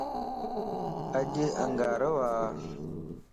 اڄ انڳارو ا